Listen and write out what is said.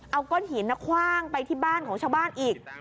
เอาก้อนหินคว่างไปที่บ้านของชาวบ้านอีก